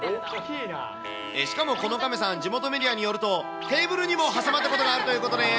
しかもこの亀さん、地元メディアによると、テーブルにも挟まったことがあるということです。